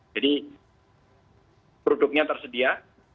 jadi produknya tersedia